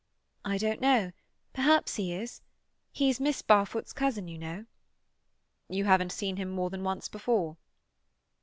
"I don't know. Perhaps he is. He's Miss Barfoot's cousin, you know." "You haven't seen him more than once before?"